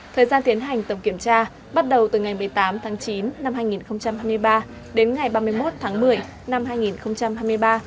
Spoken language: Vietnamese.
thời gian tiến hành tổng kiểm tra bắt đầu từ ngày một mươi tám tháng chín năm hai nghìn hai mươi ba đến ngày ba mươi một tháng một mươi năm hai nghìn hai mươi ba